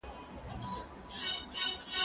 کار د ډلې له خوا ترسره کيږي،